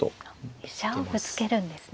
飛車をぶつけるんですね。